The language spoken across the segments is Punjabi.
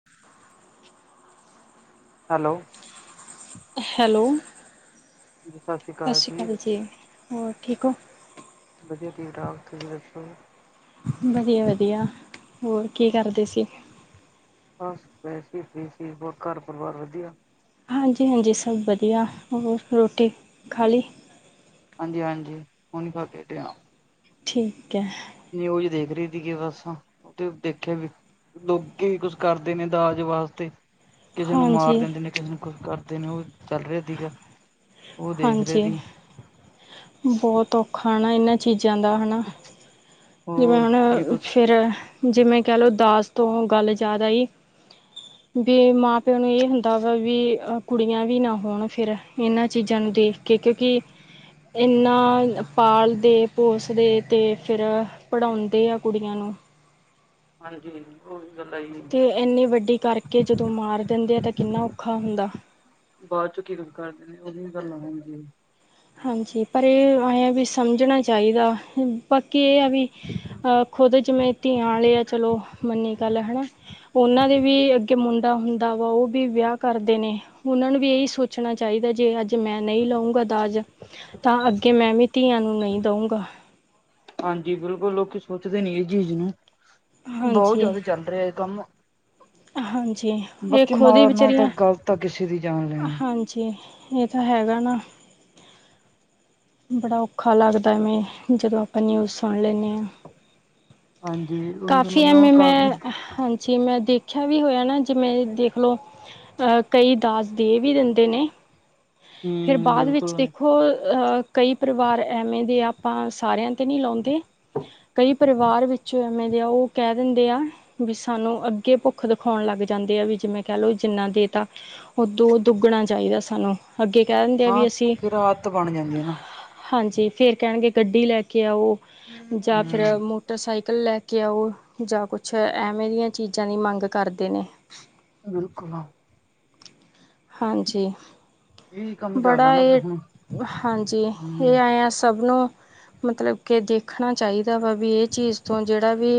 [inaudible] ਹੈਲੋ। ਹੈਲੋ, ਜੀ ਸਤਿ ਸ਼੍ਰੀ ਅਕਾਲ ਸਾਸੀ ਕਾਲ ਜੀ ਹੋਰ ਠੀਕ ਓ? ਵਧੀਆ ਠੀਕ ਠਾਕ ਤੁਸੀਂ ਦੱਸੋ। ਵਧੀਆ-ਵਧੀਆ ਹੋਰ ਕੀ ਕਰਦੇ ਸੀ। ਬਸ ਬੈਠ ਕੇ ਫ੍ਰੀ ਸੀ, ਹੋਰ ਘਰ ਪਰਿਵਾਰ ਵਧੀਆ। ਹਾਂਜੀ-ਹਾਂਜੀ ਸਭ ਵਧੀਆ ਹੋਰ ਰੋਟੀ ਖਾਲੀ। ਹਾਂਜੀ-ਹਾਂਜੀ ਹੁਣ ਈ ਖਾਕੇ ਹਟਿਆ। ਠੀਕ ਐ। ਨਿਊਜ਼ ਦੇਖ ਰੇ ਤੀਗੇ ਕਿ ਬਸ ਆਂ ਤੇ ਦੇਖਿਆ ਵੀ ਲੋਕ ਕੀ ਕੁਝ ਕਰਦੇ ਨੇ ਦਾਜ ਵਾਸਤੇ। ਕਿਸੇ ਨੂੰ ਮਾਰ ਹਾਂਜੀ ਦਿੰਦੇ ਨੇ ਕਿਸੇ ਨੂੰ ਕੁਛ ਕਰਦੇ ਨੇ, ਓ ਚੱਲ ਰਿਆ ਤੀਗਾ। ਓ ਦੇਖ ਰੇ ਤੀ। ਬੋਤ ਔਖਾ ਨਾ ਏਨਾਂ ਚੀਜ਼ਾਂ ਦਾ ਹਨਾ। ਜਿਵੇਂ ਹੋਰ ਹੁਣ ਕੀ ਕੁਛ ਫੇਰ ਜਿਵੇਂ ਕੈ ਲੋ ਦਾਜ ਤੋਂ ਗੱਲ ਯਾਦ ਆਈ। [inaudible] ਵੀ ਮਾਂ ਪਿਓ ਨੂੰ ਏ ਹੁੰਦਾ ਵਾ ਵੀ ਕੁੜੀਆਂ ਵੀ ਨਾ ਹੋਣ, ਫੇਰ ਏਨਾਂ ਚੀਜ਼ਾਂ ਨੂੰ ਦੇਖ ਠੀਕ ਏ ਕੀ ਏਨਾ ਪਾਲਦੇ ਪੋਸਦੇ ਤੇ ਫੇਰ ਪੜ੍ਹਾਉਂਦੇ ਆ ਕੁੜੀਆਂ ਨੂੰ। ਹਾਂਜੀ। ਉਹੀ ਗੱਲ ਆ ਜੀ ਤੇ ਏਨੀ ਵੱਡੀ ਕਰਕੇ ਜਦੋਂ ਮਾਰ ਦਿੰਦੇ ਆ ਤੇ ਕਿੰਨਾ ਔਖਾ ਹੁੰਦਾ। ਬਾਦ 'ਚ ਖੀਤਮ ਕਰ ਦਿੰਨੇ ਓਦੀਆਂ ਗੱਲਾਂ ਹੁੰਦੀ ਆਂ। ਹਾਂਜੀ, ਪਰ ਏ ਐ ਵੀ ਸਮਝਣਾ ਚਾਈਦਾ, ਬਾਕੀ ਏ ਆ ਵੀ ਅਹ ਖੁਦ ਜਿਵੇਂ ਧੀਆਂ ਆਲੇ ਆ ਚਲੋ ਮੰਨੀ ਗੱਲ ਹਨਾ। ਓਨਾਂ ਦੇ ਵੀ ਅੱਗੇ ਮੁੰਡਾ ਹੁੰਦਾ ਵਾ, ਓ ਵੀ ਵਿਆ ਕਰਦੇ ਨੇ। ਐਨਾਂ ਨੂੰ ਵੀ ਏਈ ਸੋਚਣਾ ਚਾਈਦਾ, ਜੇ ਅੱਜ ਮੈਂ ਨਈ ਲਊਂਗਾ ਦਾਜ਼। ਤਾਂ ਅੱਗੇ ਮੈਂ ਵੀ ਧੀਆਂ ਨੂੰ ਨਈ ਦਊਂਗਾ। ਹਾਂਜੀ, ਬਿਲਕੁਲ ਲੋਕੀ ਸੋਚਦੇ ਨੀ ਏ ਚੀਜ਼ ਨੂੰ ਬੋਤ ਹਾਂਜੀ ਜਾਦਾ ਚੱਲ ਰਿਆ ਏ ਕੰਮ। ਹਾਂਜੀ। ਇਹ ਬਾਕੀ ਖੁਦ ਹੀ ਮਾਰਨਾ ਤਾਂ ਵਿਚਾਰੀਆਂ ਗ਼ਲਤ ਆ ਕਿਸੇ ਦੀ ਜਾਨ ਲੈਣੀ। ਜੀ ਇਹ ਤਾਂ ਹੈਗਾ ਨਾ। ਬੜਾ ਔਖਾ ਲੱਗਦਾ ਐਵੈ ਜਦੋਂ ਆਪਾ ਨਿਊਜ਼ ਸੁਣ ਲੈਂਨੇ ਹਾਂ। ਹਾਂਜੀ। ਉਹੀ ਗੱਲ ਕਾਫੀ ਹੁਣ ਐਵੇਂ ਕਾਫ਼ੀ ਮੈਂ ਹਾਂਜੀ ਮੈਂ ਦੇਖਿਆ ਵੀ ਹੋਇਆ ਨਾ ਜਿਵੇਂ ਦੇਖਲੋ ਅਹ ਕਈ ਦਾਜ਼ ਦੇ ਵੀ ਦਿੰਦੇ ਨੇ ਫਿਰ ਹੂੰ ਬਾਅਦ ਵਿੱਚ ਬਿਲਕੁਲ। ਦੇਖੋ ਅਹ ਕਈ ਪਰਿਵਾਰ ਐਵੇਂ ਦੇ ਆਪਾਂ ਸਾਰਿਆਂ ਤੇ ਨੀ ਲਾਉਂਦੇ ਕਈ ਪਰਿਵਾਰ ਵਿੱਚੋਂ ਮੇਰੇਆ ਉਹ ਕਹਿ ਦਿੰਦੇ ਆ। ਵੀ ਸਾਨੂੰ ਅੱਗੇ ਭੁੱਖ ਦਿਖਾਉਣ ਲੱਗ ਜਾਂਦੇ ਆ, ਵੀ ਜਿਵੇਂ ਕਹਿ ਲਓ ਜਿੰਨਾ ਦੇ ਤਾਂ ਉਦੋ ਦੁੱਗਣਾ ਚਾਹੀਦਾ ਸਾਨੂੰ ਅੱਗੇ ਕਹਿ ਦਿੰਦੇ ਆ ਹਾਂ ਵੀ ਅਸੀਂ ਫਿਰ ਆਦਤ ਬਣ ਜਾਂਦੀ ਹੈ ਨਾ। ਹਾਂਜੀ, ਫੇਰ ਕਹਿਣਗੇ ਗੱਡੀ ਲੈ ਕੇ ਆਓ, ਜਾਂ ਫਿਰ ਹੂੰ। ਮੋਟਰਸਾਈਕਲ ਲੈ ਘਉ ਜਾਂ ਕੁਛ ਐਵੇਂ ਦੀਆਂ ਚੀਜ਼ਾਂ ਦੀ ਮੰਗ ਕਰਦੇ ਨੇ। ਬਿਲਕੁਲ। ਹਾਂਜੀ। ਇਹੀ ਕੰਮ ਚੱਲਦਾ ਬੜਾ ਨਾ ਹੁਣ ਇਹ ਹਾਂਜੀ ਹੂੰ। ਇਹ ਐ ਆ ਸਭ ਨੂੰ ਮਤਲਬ ਕਿ ਦੇਖਣਾ ਚਾਹੀਦਾ ਵਾ ਵੀ ਇਹ ਚੀਜ਼ ਤੋਂ ਜਿਹੜਾ ਵੀ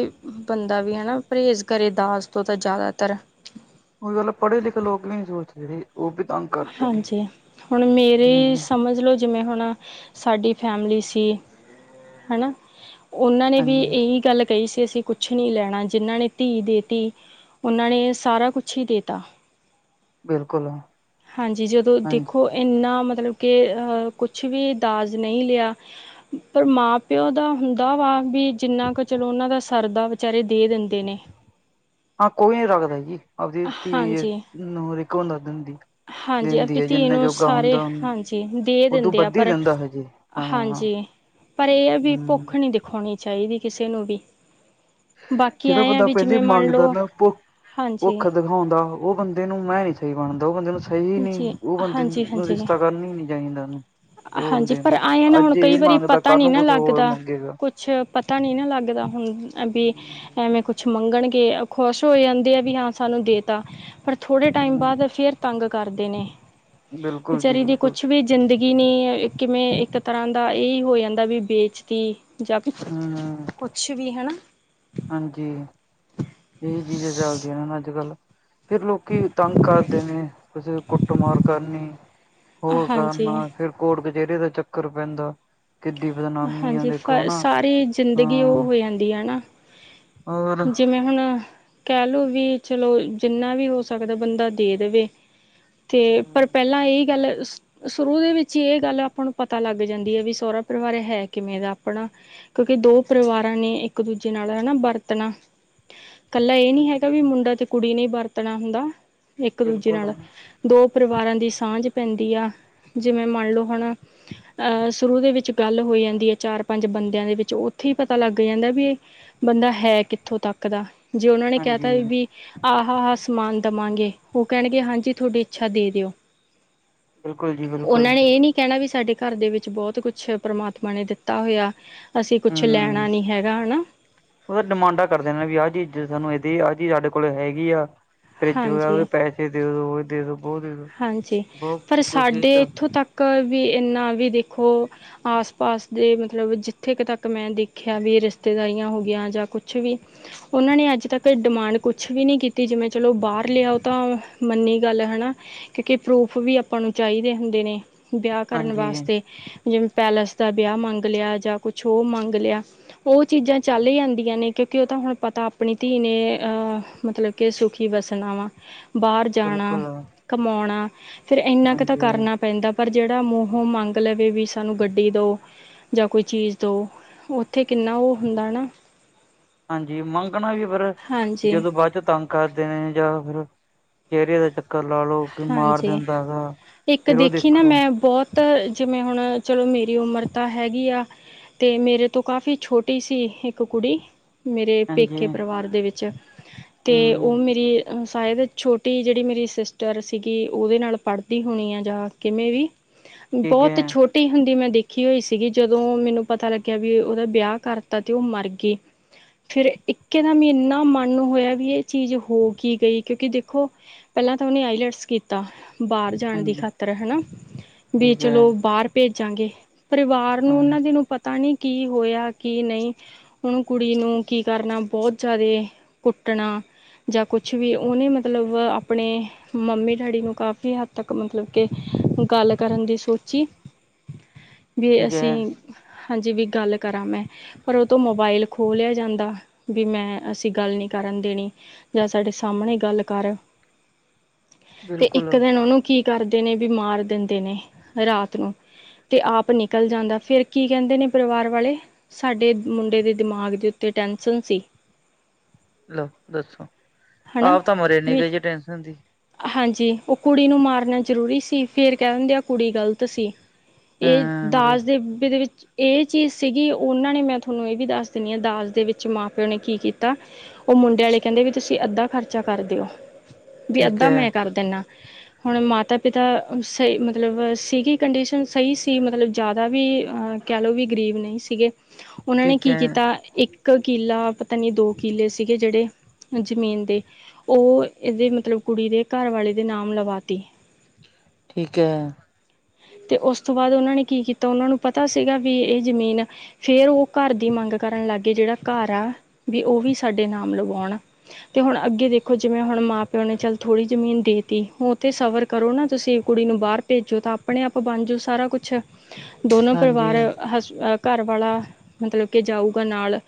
ਬੰਦਾ ਵੀ ਹੈ ਨਾ ਪਰਹੇਜ਼ ਕਰੇ ਦਾਜ਼ ਤੋਂ ਤਾਂ ਜ਼ਿਆਦਾਤਰ। ਹੋਈ ਗੱਲ ਪੜ੍ਹੇ ਲਿਖੇ ਲੋਕ ਵੀ ਨਹੀ ਸੋਚਦੇ ਰੇ। ਉਹ ਵੀ ਤੰਗ ਕਰਦੇ ਨੇ ਹਾਂਜੀ ਹੁਣ ਮੇਰੇ ਹੂੰ। ਸਮਝ ਲੋਓ। ਜਿਵੇਂ ਹੁਣ ਸਾਡੀ ਫੈਮਿਲੀ ਸੀ ਹੈ ਨਾ। ਉਹਨਾਂ ਨੇ ਵੀ ਹਾਂਜੀ ਇਹੀ ਗੱਲ ਕਹੀ ਸੀ ਅਸੀਂ ਕੁਛ ਨੀ ਲੈਣਾ। ਜਿੰਨਾਂ ਨੇ ਧੀ ਦੇਤੀ, ਉਹਨਾਂ ਨੇ ਸਾਰਾ ਕੁਛ ਹੀ ਦੇਤਾ। ਬਿਲਕੁਲ। ਹਾਂਜੀ ਜਦੋਂ ਦੇਖੋ ਹਾਂਜੀ ਇੰਨਾ ਮਤਲਬ ਕਿ ਕੁਛ ਵੀ ਦਾਜ ਨਹੀਂ ਲਿਆ। ਪਰ ਮਾਂ ਪਿਓ ਦਾ ਹੁੰਦਾ ਵਾ ਵੀ ਜਿੰਨਾ ਕੁ ਚਲੋ ਉਹਨਾਂ ਦਾ ਸਰਦਾ ਵਿਚਾਰੇ ਦੇ ਦਿੰਦੇ ਨੇ। ਹਾਂ ਕੋਈ ਨੀ ਰੱਖਦਾ ਸੀ, ਆਪਦੀ ਧੀ ਹਾਂਜੀ ਨੂੰ ਹਰਕਿ ਬੰਦਾ ਦਿੰਦੇ ਹਾਂਜੀ ਆਪਣੀ ਧੀ ਨੂੰ ਸਾਰੇ ਹਾਂਜੀ ਦੇ ਉਦੋਂ ਦਿੰਦੇ ਆ ਵੱਧ ਹੀ ਪਰ ਦਿੰਦਾ ਹਜੇ ਹਾਂ ਹਾਂਜੀ ਪਰ ਇਹ ਆ ਵੀ ਹੂੰ। ਭੁੱਖ ਨਹੀਂ ਦਿਖਾਉਣੀ ਚਾਹੀਦੀ ਕਿਸੇ ਨੂੰ ਵੀ। ਬਾਕੀ ਜਿਹੜਾ ਐਂ ਆ ਬੰਦਾ ਵੀ ਪਹਿਲੀ ਜਿਵੇਂ ਮੰਨ ਮੰਗਦਾ ਲਓ ਨਾ ਭੁੱਖ ਹਾਂਜੀ ਭੁੱਖਤਮ ਦਿਖਾਉਂਦਾ। ਉਹ ਬੰਦੇ ਨੂੰ ਮੈਂ ਨੀ ਸਹੀ ਬਣਦਾ ਉਹ ਬੰਦੇ ਨੂੰ ਸਹੀ ਨੀ ਜੀ ਉਹ ਬੰਦੇ ਹਾਂਜੀ ਨੂੰ ਹਾਂਜੀ ਰਿਸ਼ਤਾ ਕਰਨ ਹੀ ਨੀ ਚਾਹੀਦਾ ਉਸਨੂੰ। ਹਾਂਜੀ ਪਰ ਆਏ ਨਾ ਹੁਣ ਕਈ ਵਾਰੀ ਮੰਗਦਾ ਪਤਾ ਕੱਲ ਨੀ ਨੂੰ ਨਾ ਕੁਛ ਹੋਰ ਲੱਗਦਾ ਮੰਗੇਗਾ ਕੁਛ ਛ ਪਤਾ ਨਹੀਂ ਨਾ ਲੱਗਦਾ। ਹੁਣ ਵੀ ਐਵੇਂ ਕੁਛ ਮੰਗਣਗੇ ਖੁਸ਼ ਹੋ ਜਾਂਦੇ ਆ ਵੀ ਹਾਂ ਸਾਨੂੰ ਦੇ ਤਾ। ਪਰ ਥੋੜੇ ਟਾਈਮ ਹੂੰ ਬਾਅਦ ਫੇਰ ਤੰਗ ਕਰਦੇ ਨੇ, ਬਿਲਕੁਲ ਜੀ ਵਿਚਾਰੀ ਦੀ ਬਿਲਕੁਲ ਕੁਛ ਵੀ ਜ਼ਿੰਦਗੀ ਨੇ ਕਿਵੇਂ ਇੱਕ ਤਰ੍ਹਾਂ ਦਾ ਇਹ ਹੋ ਜਾਂਦਾ ਵੀ ਵੇਚਤੀ ਜਾਂ ਹਮ। ਕੁਛ ਵੀ ਹਨਾ। ਹਾਂਜੀ। ਇਹੀ ਚੀਜ਼ਾਂ ਚੱਲਦੀਆਂ ਨੇ ਅੱਜ ਕੱਲ੍ਹ। ਫੇਰ ਲੋਕੀ ਤੰਗ ਕਰਦੇ ਨੇ ਕਿਸੇ ਦੇ ਕੁੱਟ ਮਾਰ ਕਰਨੀ। ਹੋਰ ਹਾਂਜੀ ਕਰਨਾ ਫੇਰ ਕੋਟ ਕਚਹਿਰੀਆਂ ਦਾ ਚੱਕਰ ਪੈਂਦਾ। ਕਿੱਡੀ ਬਦਨਾਮੀ ਆ ਹਾਂਜੀ ਫ ਦੇਖੋ ਹਨਾ ਸਾਰੀ ਜ਼ਿੰਦਗੀ ਉਹ ਹਾਂ। ਹੋ ਜਾਂਦੀ ਹੈ ਨਾ ਹੋਰ ਜਿਵੇਂ ਹੁਣ ਕਹਿ ਲੋੋ ਵੀ ਚਲੋ ਜਿੰਨਾ ਵੀ ਹੋ ਸਕਦਾ ਬੰਦਾ ਦੇ ਦੇਵੇ। ਤੇ ਪਰ ਪਹਿਲਾਂ ਇਹੀ ਗੱਲ ਸ਼ੁਰੂ ਦੇ ਵਿੱਚ ਹੀ, ਇਹ ਗੱਲ ਆਪਾਂ ਨੂੰ ਪਤਾ ਲੱਗ ਜਾਂਦੀ ਆ, ਵੀ ਸੋਹਰਾ ਪਰਿਵਾਰ ਹੈ, ਕਿਵੇਂ ਦਾ ਆਪਣਾ ਕਿਉਂਕਿ, ਦੋ ਪਰਿਵਾਰਾਂ ਨੇ ਇੱਕ -ਦੂਜੇ ਨਾਲ ਰਹਿਣਾ ਬਰਤ ਤਣਾ, ਕੱਲਾ ਇਹ ਨਈ ਹਾਂਜੀ ਹੈਗਾ ਵੀ, ਮੁੰਡਾ ਤੇ ਕੁੜੀ ਨੇਹੀ ਵਰਤਣਾ ਹੁੰਦਾ ਇਕ -ਦੂਜੇ ਬਿਲਕੁਲ ਨਾਲ ਦੋ ਪਰਿਵਾਰਾਂ ਦੀ, ਸਾਂਝ ਪੈਂਦੀ ਆ, ਜਿਵੇਂ ਮੰਨ ਲਓ ਹੁਣ ਅਹ ਸ਼ੁਰੂ ਦੇ, ਵਿੱਚ ਗੱਲ ਹੋ ਜਾਂਦੀ ਹੈ, ਚਾਰ- ਪੰਜ ਬੰਦਿਆਂ ਦੇ ਵਿੱਚ, ਉੱਥੇ ਹੀ ਪਤਾ ਲੱਗ ਜਾਂਦਾ ਵੀ ਇਹ ਬੰਦਾ ਹੈ ਕਿੱਥੋਂ ਤੱਕ ਦਾ, ਜੇ ਉਹਨਾਂ ਨੇ ਕਹਿ ਹਾਂਜੀ ਤਾ ਵੀ ਆਹ ਆ, ਆਹ ਸਮਾਨ ਦੇਵਾਂਗੇ, ਉਹ ਕਹਿਣਗੇ ਹਾਂਜੀ ਤੁਹਾਡੀ ਇੱਛਾ ਦੇ ਦਿਓ ਬਿਲਕੁਲ ਜੀ ਬਿਲਕੁਲ ਉਹਨਾਂ ਨੇ ਇਹ ਨੀ ਕਹਿਣਾ ਵੀ, ਸਾਡੇ ਘਰ ਦੇ ਵਿੱਚ ਬਹੁਤ ਕੁਛ, ਪਰਮਾਤਮਾ ਨੇ ਦਿੱਤਾ ਹੋਇਆ ਅਸੀਂ, ਕੁਛ ਲੈਣਾ ਹੂੰ ਨੀ ਹੈਗਾ ਹੈਨਾ ਉਹ ਤਾਂ ਡਿਮਾਂਡਾ ਕਰਦੇ ਨੇ ਵੀ, ਆਹ ਚੀਜ਼ ਸਾਨੂੰ ਇਦੇ, ਆਹ ਚੀਜ਼ ਸਾਡੇ ਕੋਲ ਹੈਗੀ ਆ ਫਰਿੱਜ ਵਾਅ ਉਹਦੇ ਹਾਂਜੀ ਪੈਸੇ ਦੇ ਦੋ- ਦੇ ਓ ਦੇ- ਦੋ ਬਹੁ ਦੇ ਦੋ ਹਾਂਜੀ, ਬਹੁਤ ਪਰ ਕੁਛ ਇਹ ਸਾਡੇ ਚ ਇੱਥੋਂ ਤੱਕ ਵੀ ਇਨਾ ਵੀ ਦੇਖੋ ਆਸ -ਪਾਸ ਦੇ ਮਤਲਬ ਜਿੱਥੇ ਤੱਕ, ਮੈਂ ਦੇਖਿਆ ਵੀ ਰਿਸ਼ਤੇਦਾਰੀਆਂ ਹੋ ਗਈਆ ਜਾਂ ਕੁਛ ਵੀ ਉਹਨਾਂ ਨੇ, ਅੱਜ ਤੱਕ ਡਿਮਾਂਡ ਕੁਛ ਵੀ ਨਹੀਂ ਕੀਤੀ, ਜਿਵੇਂ ਚਲੋ ਬਾਹਰ ਲੈ ਉਹ ਤਾਂ ਮੰਨੀ ਗੱਲ ਹਨਾ ਕਿਉਂਕਿ, ਪਰੂਫ ਵੀ ਆਪਾਂ ਨੂੰ ਚਾਹੀਦੇ ਹੁੰਦੇ ਨੇ, ਵਿਆਹ ਕਰਨ ਹਾਂਜੀ ਵਾਸਤੇ ਜਿਵੇਂ, ਪੈਲੇਸ ਦਾ ਵਿਆਹ ਮੰਗ ਲਿਆ, ਜਾਂ ਕੁਛ ਉਹ ਮੰਗ ਲਿਆ ਉਹ ਚੀਜ਼ਾਂ ਚੱਲ ਜਾਂਦੀਆਂ ਨੇ ਕਿਉਂਕਿ, ਉਹ ਤਾਂ ਹੁਣ ਪਤਾ ਆਪਣੀ ਧੀ ਨੇ, ਅਹ ਮਤਲਬ ਕੇ ਸੁਖੀ ਵਸਨਾ ਵਾਂ, ਬਾਹਰ ਜਾਣਾ ਬਿਲਕੁਲ ਕਮਾਉਣਾ, ਫੇਰ ਇੰਨਾ ਕੁ ਤਾਂ ਹਾਂਜੀ ਕਰਨਾ ਪੈਂਦਾ ਪਰ ਜਿਹੜਾ, ਮੂੰਹੋ ਮੰਗ ਲਵੇ ਵੀ ਸਾਨੂੰ, ਗੱਡੀ ਦੋ ਜਾਂ ਕੋਈ ਚੀਜ਼ ਦਿਓ, ਉੱਥੇ ਕਿੰਨਾ ਉ ਹੁੰਦਾ ਨਾ ਹਾਂਜੀ, ਮੰਗਣਾ ਈ ਫਿਰ ਹਾਂਜੀ ਜਦੋਂ, ਬਾਅਦ ਤੰਗ ਕਰਦੇ ਨੇ, ਜਾਂ ਫਿਰ ਚਿਹਰੇ ਦਾ ਕੱਲਾ ਰੋਕ ਕੇ ਮਾਰ ਹਾਂਜੀ ਦਿੰਦਾ ਹੈਗਾ, ਫਿਰ ਉਹ ਦੇਖੋ ਤਾਂ ਜਿਵੇਂ ਹੁਣ ਚਲੋ, ਮੇਰੀ ਤਾਂ ਹੈਗੀ ਆ ਤੇ ਮੇਰੇ ਤੋਂ, ਕਾਫੀ ਛੋਟੀ ਸੀ। ਇੱਕ ਕੁੜੀ, ਮੇਰੇ ਹਾਂਜੀ ਪੇਕੇ ਪਰਿਵਾਰ ਦੇ ਵਿੱਚ, ਅਤੇ ਹੂੰ ਉਹ ਮੇਰੀ ਹੁਣ ਸ਼ਾਇਦ, ਛੋਟੀ ਜਿਹੜੀ ਮੇਰੀ ਸਿਸਟ ਦਰ ਸੀਗੀ ਉਹਦੇ ਨਾਲ, ਪੜ੍ਹਦੀ ਹੋਣੀ ਆ ਜਾਂ ਕਿਵੇਂ ਵੀ, ਠੀਕ ਹੈ ਬਹੁਤ ਛੋਟ ਛੋਟੀ ਹੁੰਦੀ ਮੈਂ ਦੇਖੀ ਹੋਈ ਸੀਗੀ, ਜਦੋਂ ਮੈਨੂੰ ਪਤਾ ਲੱਗਿਆ ਵੀ ਉਹਦਾ ਵਿਆਹ ਕਰ ਤਾ, ਤੇ ਉਹ ਮਰ ਗਈ। ਫਿਰ ਇੱਕੇ ਦਮ, ਇੰਨਾ ਮਨ ਹੋਇਆ ਵੀ ਏ ਚੀਜ਼, ਹੋ ਕੀ ਗਈ ਕਿਉਂਕਿ ਦੇਖੋ ਪਹਿਲਾਂ ਉਹਨੇ ਆਈਲੈਟਸ ਕੀਤਾ, ਬਾਹਰ ਜਾਣ ਦੀ ਹਾਂਜੀ ਖਾਤਰ ਹਨਾ ਵੀ, ਠੀਕ ਹੈ ਚਲੋ ਬਾਹਰ ਭੇਜਾਂਗੇ, ਪਰਿਵਾਰ ਨੂੰ ਹਾਂ ਉਹਨਾਂ ਦੇ ਨੂੰ ਪਤਾ ਨਹੀਂ ਕੀ, ਹੋਇਆ ਕੀ ਨਹੀਂ ਹੁਣ ਕੁੜੀ ਨੂੰ ਕੀ ਕਰਨਾ, ਬਹੁਤ ਜ਼ਿਆਦਾ ਕੁੱਟਣਾ ਜਾਂ ਕੁਛ ਵੀ, ਉਹਨੇ ਮਤਲਬ ਆਪਣੇ ਮੰਮੀ- ਡੈਡੀ ਨੂੰ ਕਾਫ਼ੀ ਹੱਦ ਤੱਕ ਮਤਲਬ, ਕੇ ਗੱਲ ਕਰਨ ਦੀ ਸੋਚ ਜੀ, ਵੀ ਠੀਕ ਅਸੀਂ ਹੈ ਹਜੇ ਵੀ, ਗੱਲ ਕਰਾਂ ਮੈਂ ਪਰ ਉਹ ਤੋਂ, ਮੋਬਾਇਲ ਖੋ ਲ੍ਹਿਆ ਜਾਂਦਾ ਵੀ, ਮੈਂ ਅਸੀਂ ਗੱਲ ਨਈ ਕਰਨ ਦੇਣੀ ਜਾਂ ਸਾਡੇ ਸਾਹਮਣੇ ਗੱਲ ਕਰ ਤੇ ਇੱਕ ਬਿਲਕੁਲ ਦਿਨ, ਉਹਨੂੰ ਕੀ ਕਰਦੇ ਨੇ ਵੀ, ਮਾਰ ਦਿੰਦੇ ਨੇ ਰਾਤ ਨੂੰ ਤੇ ਆਪ ਨਿਕਲ ਜਾਂਦਾ, ਫੇਰ ਕੀ ਕਹਿੰਦੇ ਨੇ, ਪਰਿਵਾਰ ਵਾਲੇ? ਸਾਡੇ ਮੁੰਡੇ ਦੇ, ਦਿਮਾਗ ਦੇ ਉੱਤੇ ਟੈਂਸ਼ਨ ਸੀ। ਲਓ ਦੱਸੋ, ਹਨਾ ਆਪ ਤਾਂ ਮਰੇ ਨੀ ਵੀ ਜੇ ਟੈਂਨਸ਼ਨ ਸੀ। ਹਾਂਜੀ ਉਹ ਕੁੜੀ ਨੂੰ ਮਾਰਨਾ ਜ਼ਰੂਰੀ ਸੀ ਫੇਰ ਕਹਿ ਦਿੰਦੇ ਆ ਕੁੜੀ ਗ਼ਲਤ ਸੀ। ਇਹ ਹਾਂ ਵੀ ਦਾਜ ਦਹੇ ਦੇ ਵਿੱਚ ਇਹ ਚੀਜ਼ ਸੀਗੀ ਉਹਨਾਂ ਨੇ ਮੈਂ ਥੋਨੂੰ ਇਹ ਵੀ ਦੱਸ ਦਿੰਦੀ ਹਾਂ ਦਾਜ ਦੇ ਵਿੱਚ ਮਾਂ ਪਿਓ ਨੇ ਕੀ ਕੀਤਾ। ਉਹ ਮੁੰਡੇ ਵਾਲੇ ਕਹਿੰਦੇ ਵੀ ਤੁਸੀਂ ਅੱਧਾ ਖਰਚਾ ਕਰ ਦਿਓ ਵੀ ਠੀਕ ਅੱਧਾ ਹੈ ਮੈਂ ਕਰ ਦਿੰਨਾ। ਹੁਣ ਮਾਤਾ ਪਿਤਾ ਸਹੀ ਮਤਲਬ ਸੀਗੀ ਕੰਡੀਸ਼ਨ ਸਹੀ ਸੀ ਮਤਲਬ ਜ਼ਿਆਦਾ ਵੀ ਕਹਿ ਲਓ ਵੀ ਗਰੀਬ ਨਹੀਂ ਸੀਗੇ। ਉਹਨਾਂ ਨੇ ਠੀਕ ਕੀ ਹੈ ਕੀਤਾ ਇੱਕ ਕਿਲਾ ਪਤਾ ਨੀ ਦੋ ਕਿਲੇ ਸੀਗੇ ਜਿਹੜੇ ਜ਼ਮੀਨ ਦੇ ਉਹ ਇਹਦੇ ਮਤਲਬ ਕੁੜੀ ਦੇ ਘਰ ਵਾਲੇ ਦੇ ਨਾਮ ਲਵਾ ਤੀ ਠੀਕ ਹੈ। ਅਤੇ ਉਸ ਤੋਂ ਬਾਅਦ ਉਹਨਾਂ ਨੇ ਕੀ ਕੀਤਾ ਉਹਨਾਂ ਨੂੰ ਪਤਾ ਸੀਗਾ ਵੀ ਇਹ ਜ਼ਮੀਨ ਫੇਰ ਉਹ ਘਰ ਦੀ ਮੰਗ ਕਰਨ ਲੱਗ ਗਏ ਜਿਹੜਾ ਘਰ ਆ ਵੀ ਉਹ ਵੀ ਸਾਡੇ ਨਾਮ ਲਵਾਉਣ। ਤੇ ਹੁਣ ਅੱਗੇ ਦੇਖੋ ਜਿਵੇਂ ਹੁਣ ਮਾਂ ਪਿਓ ਨੇ ਚੱਲ ਥੋੜ੍ਹੀ ਜ਼ਮੀਨ ਦੇ ਤੀ ਉੱਥੇ ਸਵਰ ਕਰੋ ਨਾ ਤੁਸੀਂ ਕੁੜੀ ਨੂੰ ਬਾਹਰ ਭੇਜੋ ਤਾਂ ਆਪਣੇ ਆਪ ਬਣ ਜਾਓ ਸਾਰਾ ਕੁੱਛ। ਦੋਨੋ ਹਾਂਜੀ ਪਰਿਵਾਰ ਹਸ ਘਰ ਵਾਲਾ ਮਤਲਬ ਕੇ ਜਾਊਗਾ ਨਾਲ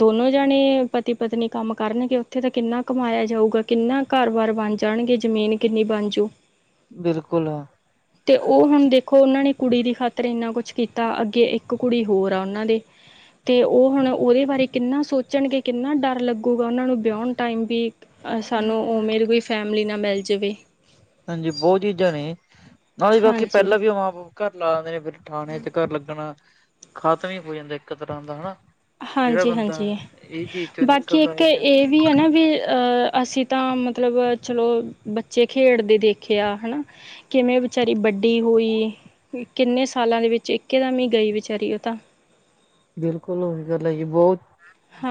ਦੋਨੋ ਜਾਣੇ ਪਤੀ ਪਤਨੀ ਕੰਮ ਕਰਨਗੇ ਉੱਥੇ ਤਾਂ ਕਿੰਨਾ ਕਮਾਇਆ ਜਾਊਗਾ ਕਿੰਨਾ ਕਾਰ ਬਾਰ ਬਣ ਜਾ ਜਾਣਗੇ ਜ਼ਮੀਨ ਕਿੰਨੀ ਬਣਜੂ। ਬਿਲਕੁਲ। ਤੇ ਉਹ ਹੁਣ ਦੇਖੋ ਉਹਨਾਂ ਨੇ ਕੁੜੀ ਦੀ ਖਾਤਰ ਇੰਨਾ ਕੁਛ ਕੀਤਾ ਅੱਗੇ ਇੱਕ ਕੁੜੀ ਹੋਰ ਆ ਉਹਨਾਂ ਦੇ। ਤੇ ਉਹ ਹੁਣ ਉਹਦੇ ਬਾਰੇ ਕਿੰਨਾ ਸੋਚਣਗੇ ਕਿੰਨਾ ਡਰ ਲੱਗੂਗਾ ਉਹਨਾਂ ਨੂੰ ਵਿਆਹੁਣ ਟਾਈਮ ਵੀ। ਅ ਸਾਨੂੰ ਉਵੇਂ ਦੀ ਕੋਈ ਫੈਮਿਲੀ ਨਾ ਮਿਲ ਜਾਵੇ। ਹਾਂਜੀ ਬਹੁਤ ਚੀਜ਼ਾਂ ਨੇ ਹਾਂਜੀ ਬਾਕੀ ਪਹਿਲਾਂ ਵੀ ਘਰ ਲਾਉਂਦੇ ਨੇ ਫਿਰ ਠਾਣੇ ਚ ਘਰ ਲੱਗਣਾ ਖਤਮ ਹੀ ਹੋ ਜਾਂਦਾ ਇੱਕ ਤਰ੍ਹਾਂ ਦਾ ਹਨਾ। ਜਿਹੜਾ ਹਾਂਜੀ, ਬੰਦਾ ਹਾਂਜੀ ਇਹ ਚੀਜ਼ ਚੋਂ ਬਾਕੀ ਨਿਕਲਦਾ ਇੱਕ ਅੱਜ ਇਹ ਵੀ ਹੈ ਨਾ ਵੀ ਅਹ ਅਸੀਂ ਤਾਂ ਮਤਲਬ ਚਲੋ ਬੱਚੇ ਖੇਡਦੇ ਦੇਖੇ ਆ ਹਨਾ ਕਿਵੇਂ ਵਿਚਾਰੀ ਵੱਡੀ ਹੋਈ ਏ ਕਿੰਨੇ ਸਾਲਾਂ ਦੇ ਵਿੱਚ ਇੱਕੇ ਦਮ ਹੀ ਗਈ ਵਿਚਾਰੀ ਉਹ ਤਾਂ ਬਿਲਕੁਲ ਓਂਦੇ ਲਈ ਬਹੁਤ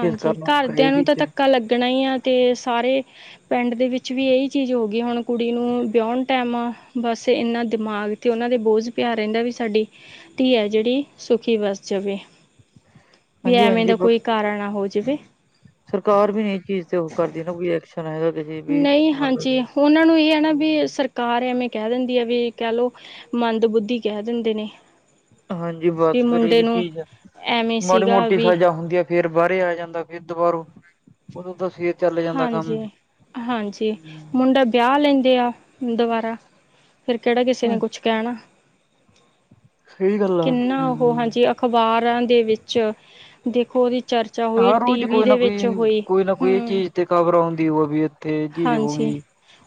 ਫੇਸ ਕਰਨਾ ਔਖਾ ਘਰਦਿਆਂ ਇਹ ਨੂੰ ਤਾਂ ਚੀਜ਼ਾਂ ਧੱਕਾ ਲੱਗਣਾ ਈ ਆ ਤੇ ਸਾਰੇ ਪੈਂਡ ਦੇ ਵਿੱਚ ਵੀ ਇਹੀ ਚੀਜ਼ ਹੋਗੀ ਹੁਣ ਕੁੜੀ ਨੂੰ ਵਿਉਣ ਟੈਮ ਬਸ ਇਨਾਂ ਦਿਮਾਗ ਤੇ ਉਨਾਂ ਦੇ ਬੋਝ ਪਿਆ ਰੇਂਦਾ ਵੀ ਸਾਡੀ ਧੀ ਐ ਜਿੜੀ ਸੁਖੀ ਵਸ ਜਾਵੇ। ਵੀ ਹਾਂਜੀ ਐਵੇਂ ਹਾਂਜੀ ਦਾ ਕੋਈ ਕਾਰਾ ਨਾ ਹੋ ਜੇਵੇ। ਸਰਕਾਰ ਵੀ ਨੀ ਏ ਚੀਜ਼ ਤੇ ਉਹ ਕਰਦੀ ਨਾ ਕੋਈ ਐਕਸ਼ਨ ਹੈਗਾ ਤੇ ਨਈ ਹਾਂਜੀ ਉਨਾਂ ਨੂੰ ਇ ਐ ਨਾ ਵੀ ਸਰ ਕਾਰ ਐਵੇਂ ਕਹਿ ਦਿੰਦੀਐ ਵੀ ਕਹਿ ਲੋ ਮੰਦ - ਬੁੱਧੀ ਕਹਿ ਦਿੰਦੇ ਨੇ। ਹਾਂਜੀ ਵੀ ਬਸ ਫਿਰ ਮੁੰਡੇ ਇਹੀ ਨੂੰ ਚੀਜ਼ ਆ ਐਵੇਂ ਮਾੜੀ- ਸੀਗਾ ਮੋਟੀ ਵੀ ਸਜ਼ਾ ਹੁੰਦੀਐ ਫੇਰ ਬਾਹਰੇ ਆ ਜਾਂਦਾ ਫਿਰ ਦੁਬਾਰੋ ਉਦੋਂ ਤਾਂ ਫਿਰ ਫੇ ਹਾਂਜੀ - ਹਾਂਜੀ। ਮੁੰਡਾ ਵਿਆ ਲੈਂਦੇ ਆ ਦਬਾਰਾ ਫਿਰ ਕਿਹੜਾ ਕਿਸੇ ਨੇ ਕੁਛ ਕੈਣਾ, ਸਹੀ ਗੱਲ ਆ ਕਿੰਨਾ ਅਹੋ ਹਮ ਹਾਂਜੀ ਅ ਖਬਾਰਾਂ ਦੇ ਵਿੱਚ ਦੇਖੋ ਉਹਦੀ ਚਰਚਾ ਹੋਈ, ਹਰ ਟੀ ਰੋਜ਼ ਵੀ ਕੋਈ ਦੇ ਨਾ ਕੋਈ ਵਿੱਚ ਹੋਈ। ਕੋਈ ਨਾ ਕੋਈ ਹੂੰ ਝੀਜ਼ ਤੇ ਕਬਰ ਅਉਂਦੀ ਆ ਵੀ ਇੱਥੇ ਇਹ ਚੀਜ਼ ਹੋ ਹਾਂਜੀ, ਗਈ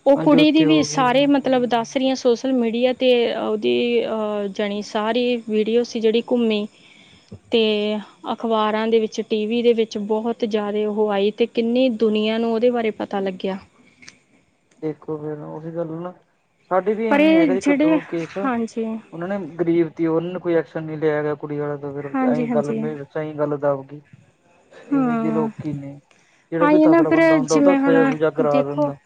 ਓ ਅੱਜ ਕੁੜੀ ਦੀ ਉੱਥੇ ਵੀ ਹੋ ਗਈ ਸਾਰੇ ਮਤਲਬ ਦੱਸ ਰੀਆਂ ਸੋਸ ਲ- ਮੀਡੀਆ 'ਤੇ ਔਅਦੀ ਅ ਜਾਣੀ ਸਾਰੀ ਵੀਡੀਓ ਸੀ ਜੇੜੀ ਘੁੰਮੀ ਤੇਅ ਅਖ਼ਬਾਰਾਂ ਦੇ ਵਿੱਚ, ਟੀ ਵੀ ਦੇ ਵਿੱਚ ਬੋਹੋਤ ਜਾਦੇ ਓਹ ਆਏ ਤੇ ਕਿੰਨੇ ਦੁਨੀਆਂ ਨੂੰ ਓਦੇ ਬਾਰੇ ਪਤਾ ਲੱ ਗਿਆ। ਦੇਖੋ ਫੇਰ ਓਹੀ ਗੱਲ ਹੋਈ ਨਾ। ਸਾਡੇ ਵੀ ਪਰ ਏਵੇਂ ਇਹ ਹੈਗੇ ਜਿਹੜੇ ਇੱਕ-ਦੋ ਕੇਸ ਹਾਂਜੀ ਓਨਾਂ ਨੇ ਗਰੀਬ ਤੀ, ਓਨੰ ਕੋਈ ਐਕਸ਼ਨ ਨੀ ਲਿਆ ਗਿਆ ਕੁੜੀ ਆਲਾਂ ਤੋਂ ਫਿਰ ਹਾਂਜੀ ਐਂਈ ਗੱਲ ਹਾਂਜੀ ਮੇ ਸਈ ਗੱਲ ਦਬ ਗੀ। ਇਹੇ ਜੇ ਹਾਂ ਲੋਕੀ ਨੇ। ਜਿਹੜਾ ਕੋਈ ਆਈ ਏ ਨਾ ਤਕੜਾ ਫਿਰ ਬੰਦਾ ਹੁੰਦਾ ਉਹ ਤਾਂ ਜਿਵੇਂ ਹੁਣ, ਸਜ਼ਾ ਸੁਜਾ ਕਰਾ ਦੇਖੋ ਦਿੰਦਾ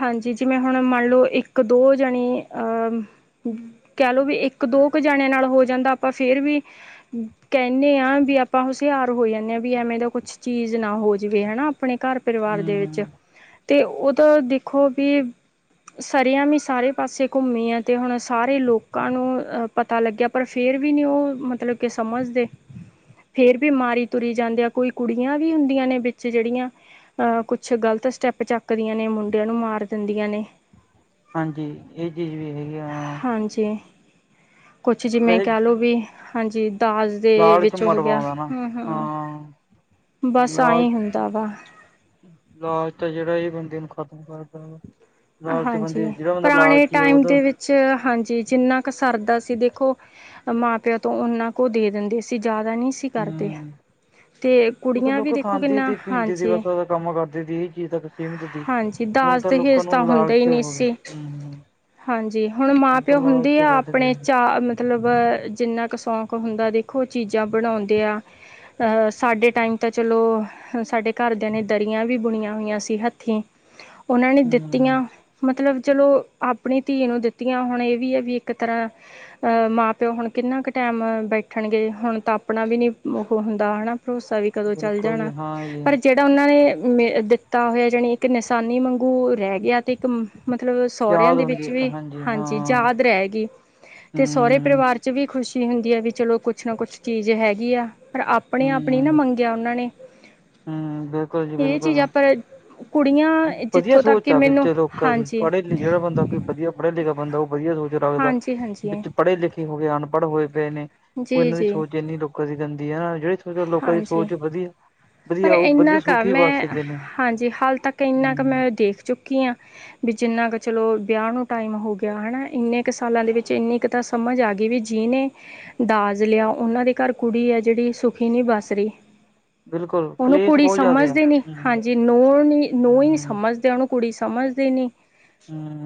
ਹਾਂਜੀ ਜਿਵੇਂ ਹੁਣ ਮੰਨ ਲੋ ਇੱਕ-ਦੋ ਜਣੇ ਅ ਕੈ ਲੋ ਵੀ ਏੱਕ-ਦੋ ਕ ਜਾਣਿਆਂ ਨਾਲ ਹੋ ਜਾਂਦਾ ਆਪਾਂ ਫੇਰ ਵੀ ਹੂੰ, ਕੈਨੇਂ ਆਂ ਵੀ ਆਪਾਂ ਹੁਸ਼ਿਆਰ ਹੋ ਜਾਨੇਂ ਆਂ ਵੀ ਐਵੇਂ ਦਾ ਕੁੱਛ ਚੀਜ ਨਾ ਹੋ ਜਿਵੇ, ਹੈਨਾ ਆਪਣੇ ਘਰ-ਪਰਿਵਾਰ ਦੇ ਵਿੱਚ ਹਮ ਤੇ ਓ ਤਾ ਦੇਖੋ ਵੀ ਸਰੇਆਮ ਈ ਸਾਰੇ ਪਾਸੇ ਘੁੰਮੀ ਆ ਤੇ ਹੁਣ ਸਾਰੇ ਲੋਕਾਂ ਨੂੰ ਅ ਪਤਾ ਲੱਗਿਆ ਪਰ ਫੇਰ ਵੀ ਨੀ ਓ ਮਤਲਬ ਕੇ ਸਮਝਦੇ ਫੇਰ ਵੀ ਮਾਰੀ ਤੁਰੀ ਜਾਂਦੇ ਆ ਕੋਈ ਕੁੜੀਆਂ ਵੀ ਹੁੰਦੀਆਂ ਨੇ ਵਿੱਚ ਜੜੀਆਂ ਅ ਕੁਛ ਗਲਤ ਸਟੈਪ ਚੱਕਦੀਆਂ ਨੇ ਮੁੰਡਿਆਂ ਨੂੰ ਮਾਰ ਦਿੰਦੀਆਂ ਨੇ। ਹਾਂਜੀ, ਏ ਚੀਜ ਵੀ ਹੈਗੀ ਆ। ਹਾਂਜੀ, ਕੁਛ ਜਿਵੇਂ ਵੈਸੇ ਕੈਅ ਲੋੋ ਵੀ, ਹਾਂਜੀ ਦਾਜ਼ ਦੇ ਲਾਲਚ ਵਿੱਚ ਹੋ ਗਿਆ, ਮਰਵਾਉਂਦਾ ਨਾ ਹੂੰ-ਹੂੰ, ਹਾਂ ਬਸ ਲਾਲ ਆਂਈਂ ਹੁੰਦਾ ਵਾ। ਲਾਲਚ ਆ ਜੜਾ ਏ ਬੰਦੇ ਨੂੰ ਖਤਮ ਕਰਦਾ ਵਾ। ਲਾਲਚੀ ਬੰਦੇ ਜੇੜਾ ਬੰਦਾ ਲਾਲਚੀ ਐ ਓਦਾ ਚ ਹਾਂਜੀ ਜਿੰਨਾ ਕ ਸਰਦਾ ਸੀ ਦੇਖੋ ਮਾਂ-ਪਿਓ ਤੋਂ ਓਨਾਂ ਕ ਓ ਦੇ ਦਿੰਦੇ ਸੀ ਜ਼ਾਦਾ ਨੀਂ ਸੀ ਕਰਦੇ ਹੂੰ ਤੇ ਉਹ ਤਾਂ ਕੁੜੀਆਂ ਵੀ ਲੋਕ ਦੇਖੋ ਖਾਂਦੇ ਕਿੰਨਾ, ਤੇ ਪੀਂਦੇ ਸੀ ਹਾਂਜੀ ਬਸ ਉਹਦਾ ਕੰਮ ਕਰਦੇ ਤੀ ਏ ਕੀ ਤਕ ਕੀਮਤ ਦੀ। ਹਾਂਜੀ ਹੁਨ ਦਾਜ ਤਾ ਲੋਕਾਂ ਦਹੇਜ ਤਾਂ ਨੂੰ ਹੁੰਦਾ ਹੀ ਲਾਲਚ ਨਹੀਂ ਹੋਵੇ। ਸੀ ਹੂੰ। ਹਾਂਜੀ ਹੁਣ ਤਾਂ ਮਾਂ-ਪਿਓ ਹੁੰਦੇ ਲਾਲਚ ਆ ਵੱਧ ਆਪਣੇ ਗਿਆ ਚਾਅ ਮ ਤਲਬ ਜਿੰਨਾ ਕ ਸ਼ੌਕ ਹੁੰਦਾ ਦੇਖੋ ਚੀਜਾਂ ਬਨੌਂਦੇ ਆ ਅ ਸਾਡੇ ਟਾਈਮ ਤਾ ਚਲੋ ਸਾਡੇ ਘਰਦਿਆਂ ਨੇ ਦਰੀਆਂ ਵੀ ਬੁਣੀਆਂ ਹੋਈਆਂ ਸੀ ਹੱ ਥੀਂ, ਓਨਾਂ ਨੇ ਹੂੰ ਦਿੱਤੀਆਂ ਮਤਲਬ ਚਲੋ ਆਪਣੀ ਧੀ ਨੂੰ ਦਿੱਤੀਆਂ ਹੁਣ ਏ ਵੀ ਆ ਵੀ ਇੱਕ ਤਰ੍ਹਾਂ ਅ ਮਾਂ-ਪਿਓ ਹੁਣ ਕਿੰਨਾ ਕ ਟੈਮ ਬੈਠਨਗੇ ਹੁਣ ਤਾਂ ਆਪਣਾ ਵੀ ਨੀ [unintelligible] ਹੁੰਦਾ ਹੈਨਾ ਭਰੋਸਾ ਵੀ ਕਦੋਂ ਚੱਲ ਬਿਲਕੁਲ ਜੀ ਜਾਣਾ ਹਾਂ ਜੀ ਪਰ ਜੇ ਤਾਂ ਓਨਾਂ ਨੇ ਦਿੱਤਾ ਹੋਏ ਜਾਣੀ ਇੱਕ ਨਿਸਾਨੀ ਵਾਂਗੂ ਰੈ ਗਿਆ ਤੇ ਇੱਕ ਮਤਲਬ ਸੌਰਿਆਂ ਯਾਦ ਦੇ ਹੁੰਦੀ ਵਿੱਚ ਇੱਕ ਵੀ ਹਾਂ ਹਾਂਜੀ ਜਾਦ ਰੈ ਗੀ ਤੇ ਸੌਰੇ ਹੂੰ ਪਰਿਵਾਰ ਚ ਵੀ ਖੁਸ਼ੀ ਹੁੰਦੀ ਐ ਵੀ ਚਲੋ ਕੁਛ ਨਾ ਕੁਛ ਚੀਜ ਹੈਗੀ ਆ ਪਰ ਆਪਣੇ ਆਪਣੀ ਨਾ ਹੂੰ ਮੰ ਗਿਆ ਓਨਾਂ ਨੇ ਹੂੰ, ਬਿਲਕੁਲ ਜੀ ਇਹ ਬਿਲਕੁਲ। ਚੀਜ਼ਾਂ ਪਰ ਕੁੜੀਆਂ ਵਧੀਆ ਜਿੱਥੋਂ ਤੱਕ ਸੋਚ ਕਿ ਆ ਵਿੱਚ ਮੈਨੂੰ ਲੋਕਾਂ ਦੀ ਹਾਂਜੀ ਪੜੇ ਲਿਖੇਗਾ ਬੰਦਾ ਕੋਈ ਵਧੀਆ ਪੜਿਆ ਲਿਖਿਆ ਬੰਦਾ ਓ ਵਧੀਆ ਸੋਚ ਰੱਖਦਾ ਹਾਂਜੀ-ਹਾਂਜੀ, ਵਿੱਚ ਪੜੇ ਲਿਖੇ ਹੋ ਗਏ ਅਨਪੜ ਹੋਏ ਪਏ ਨੇ ਓ ਏਨਾਂ ਦੀ ਜੀ-ਜੀ, ਸੋਚ ਏਨੀਂ ਲੋਕਾਂ ਦੀ ਰੈਂਦੀ ਐ, ਜੇੜੀ ਥੋੜੀ ਬੋਤ ਲੋਕਾਂ ਦੀ ਹਾਂਜੀ। ਸੋਚ ਬਧੀਐ ਪਰ ਏਨਾਂ ਕ ਐ ਮੈਂ, ਨੇ ਹਾਂਜੀ ਹਾਲ ਤੱਕ ਏਨਾਂ ਕ ਹਮ ਮੈਂ ਦੇਖ ਚੁੱ ਕੀ ਆਂ ਬੀ ਜਿੰਨਾ ਕੁ ਚਲੋ ਬਿਆ ਨੂੰ ਟਾਈਮ ਹੋ ਗਿਆ ਹੈਨਾ ਇੰਨੇ ਕ ਸਾਲਾਂ ਦੇ ਵਿੱਚ ਇੰਨੀ ਕ ਤਾਂ ਸਮਝ ਆ ਗਈ ਵੀ ਜੀ ਨੇ ਦਾਜ ਲਿਆ ਓਹਨਾਂ ਦੇ ਘਰ ਕੁੜੀ ਐ ਜੜੀ ਸੁ ਖੀ ਨੀ ਬਸ ਰੀ। ਬਿਲਕੁਲ ਓਨੂੰ ਕਲੇਸ਼ ਕੁੜੀ ਬਹੁਤ ਜ਼ਿਆਦਾ ਆ ਸਮਝਦੇ ਈ ਨੀ। ਹਮ ਹਾਂਜੀ, ਨੂੰਹ ਨੀ, ਨੂੰਹ ਈ ਹਮ ਸਮਝਦੇ ਆ ਓਨੂੰ। ਕੁੜੀ ਸਮਝਦੇ ਈ ਨੀ। ਹਮ।